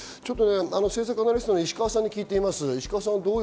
政策アナリストの石川さんに聞いています。